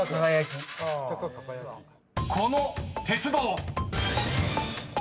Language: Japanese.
［この鉄道］